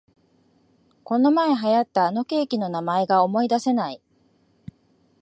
このまえ流行ったあのケーキの名前が思いだせない